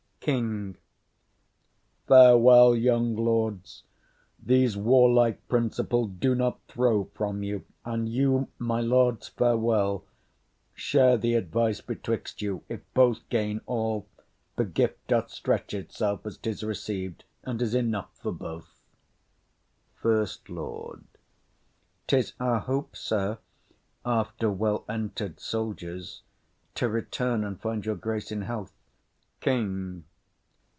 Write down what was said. KING. Farewell, young lords; these warlike principles Do not throw from you; and you, my lords, farewell; Share the advice betwixt you; if both gain all, The gift doth stretch itself as 'tis receiv'd, And is enough for both. FIRST LORD. 'Tis our hope, sir, After well ent'red soldiers, to return And find your grace in health. KING.